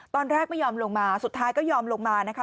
ไม่ยอมลงมาสุดท้ายก็ยอมลงมานะคะ